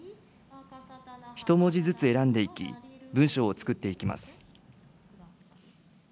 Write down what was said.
一文字ずつ選んでいき、文章を作っていきます。